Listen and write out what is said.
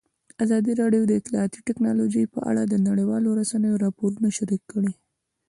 ازادي راډیو د اطلاعاتی تکنالوژي په اړه د نړیوالو رسنیو راپورونه شریک کړي.